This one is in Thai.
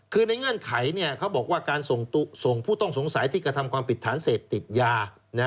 คือในเงื่อนไขเขาบอกว่าการส่งผู้ต้องสงสัยที่กระทำความผิดฐานเสพติดยา